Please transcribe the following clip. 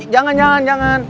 jangan jangan jangan